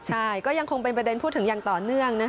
ใช่ก็ยังคงเป็นประเด็นพูดถึงอย่างต่อเนื่อง